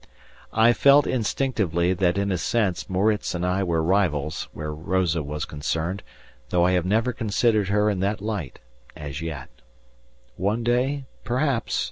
I felt instinctively that in a sense Moritz and I were rivals where Rosa was concerned, though I have never considered her in that light as yet. One day, perhaps?